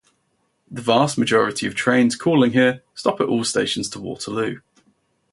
The vast majority of trains calling here stop at all stations to Waterloo.